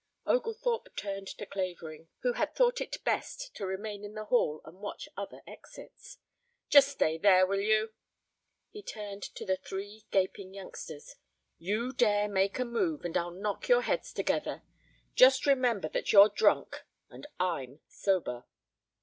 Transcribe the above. Oglethorpe turned to Clavering, who had thought it best to remain in the hall and watch other exits. "Just stay there, will you?" He turned to the three gaping youngsters. "You dare make a move and I'll knock your heads together. Just remember that you're drunk and I'm sober."